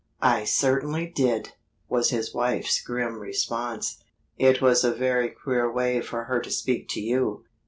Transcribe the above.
"I certainly did!" was his wife's grim response. "It was a very queer way for her to speak to you."